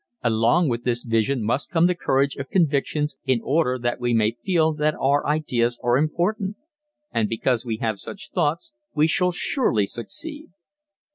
Along with this vision must come the courage of convictions in order that we may feel that our ideas are important, and because we have such thoughts, we shall surely succeed.